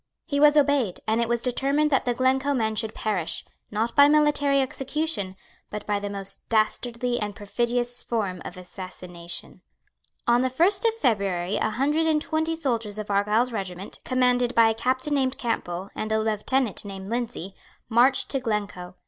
He was obeyed; and it was determined that the Glencoe men should perish, not by military execution, but by the most dastardly and perfidious form of assassination. On the first of February a hundred and twenty soldiers of Argyle's regiment, commanded by a captain named Campbell and a lieutenant named Lindsay, marched to Glencoe.